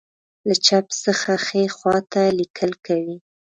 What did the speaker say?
له چپ څخه ښی خواته لیکل کوي.